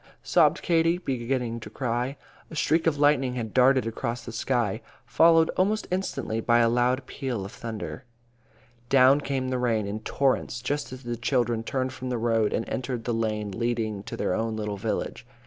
sobbed Katie, beginning to cry. A streak of lightning had darted across the sky, followed almost instantly by a loud peal of thunder. Down came the rain in torrents, just as the children turned from the road and entered the lane leading to their own little village.